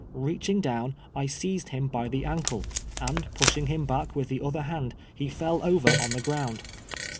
Iteaching down, I seized him bj the ankle, and pushing him back with the other hand, he fell over on the ground.